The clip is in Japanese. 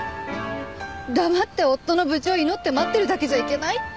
黙って夫の無事を祈って待ってるだけじゃいけないって。